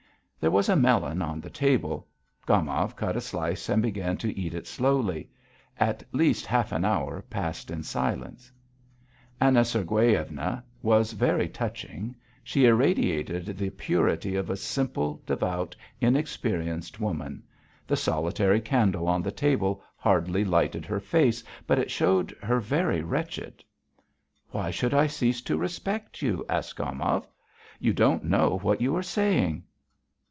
There was a melon on the table. Gomov cut a slice and began to eat it slowly. At least half an hour passed in silence. Anna Sergueyevna was very touching; she irradiated the purity of a simple, devout, inexperienced woman; the solitary candle on the table hardly lighted her face, but it showed her very wretched. "Why should I cease to respect you?" asked Gomov. "You don't know what you are saying."